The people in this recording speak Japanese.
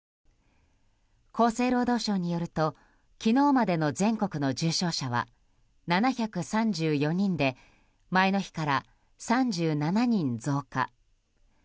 厚生労働省によると昨日までの全国の重症者は７３４人で前の日から３７人増加。